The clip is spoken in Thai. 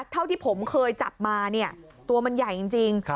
เท่าที่ผมเคยจับมาเนี่ยตัวมันใหญ่จริง